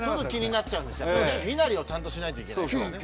身なりをちゃんとしないといけないからね